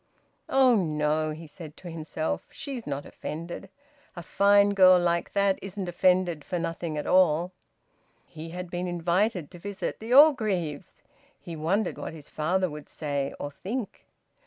"Oh no!" he said to himself. "She's not offended. A fine girl like that isn't offended for nothing at all!" He had been invited to visit the Orgreaves! He wondered what his father would say, or think.